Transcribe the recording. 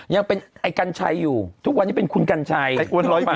ยังเป็นไอ้กัญชัยอยู่ทุกวันยังเป็นคุณกัญชัยไอ้อ้วนร้อยเมีย